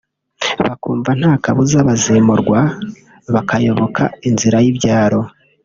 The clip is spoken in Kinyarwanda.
bakumva nta kabuza bazimurwa bakayoboka inzira y’ibyaro